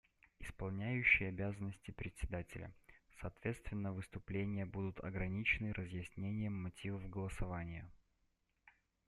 Исполняющий обязанности Председателя: Соответственно выступления будут ограничены разъяснением мотивов голосования.